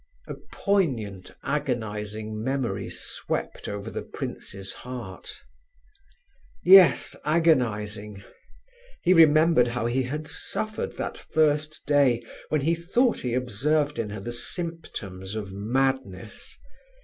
A poignant, agonizing memory swept over the prince's heart. Yes, agonizing. He remembered how he had suffered that first day when he thought he observed in her the symptoms of madness.